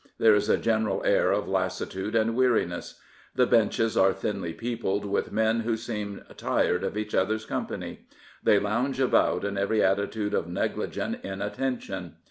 There is a general air of lassitude and weariness. The benches axe thinly peopled with men who seem tired of each other's company. They lounge about in every attitude of negligent inattention.